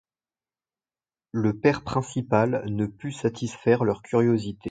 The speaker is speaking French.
Le père principal ne put satisfaire leur curiosité.